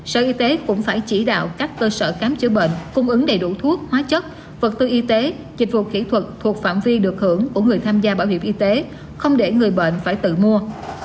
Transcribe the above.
sở y tế cũng phải chỉ đạo các cơ sở khám chữa bệnh cung ứng đầy đủ thuốc hóa chất vật tư y tế dịch vụ kỹ thuật thuộc phạm vi được hưởng của người tham gia bảo hiểm y tế không để người bệnh phải tự mua